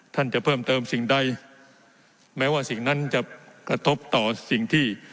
ท่านจะเพิ่มเติมสิ่งใดแม้ว่าสิ่งนั้นจะกระทบต่อสิ่งที่